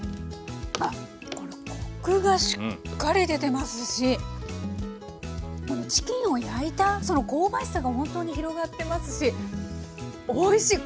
あっコクがしっかり出てますしチキンを焼いたその香ばしさがほんとに広がってますしおいしい！